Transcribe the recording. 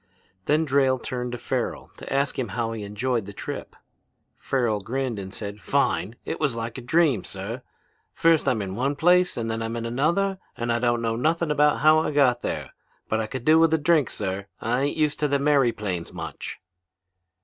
"Then Drayle turned to Farrel to ask him how he enjoyed the trip. Farrel grinned and said, 'Fine! It was like a dream, sir! First I'm in one place and then I'm in another and I don't know nothing about how I got there. But I could do with a drink, sir. I ain't used to them airyplanes much.'